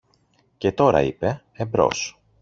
Και τώρα, είπε, εμπρός!